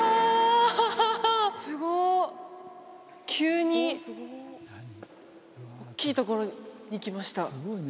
急におっきいところに来ました